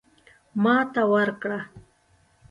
ماته ورکړه.